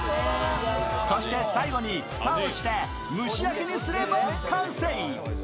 そして最後に蓋をして蒸し焼きにすれば完成。